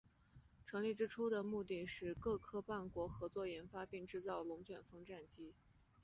成立之初的目的是各夥伴国合作研发并制造龙卷风战机。